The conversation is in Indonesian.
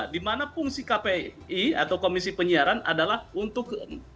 dimana fungsi kpi atau komisi penyiaran adalah untuk